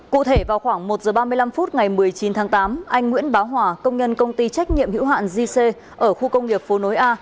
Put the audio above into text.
cụ thể vào khoảng một h ba mươi năm phút ngày một mươi chín tháng tám anh nguyễn báo hòa công nhân công ty trách nhiệm hữu hạn gc ở khu công nghiệp phố nối a